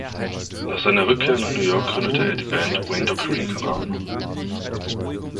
Nach seiner Rückkehr nach New York gründete er die Band "Wayne Dockery Con Alma".